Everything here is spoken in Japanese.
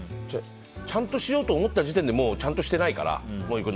ちゃんとしようと思った時点でもうちゃんとしてないから。